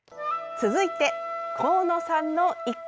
続いて、神野さんの一句。